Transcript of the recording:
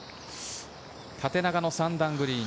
縦長の３段グリーン。